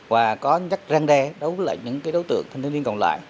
và có nhắc răng đe đấu với những đấu tượng thanh thiếu niên còn lại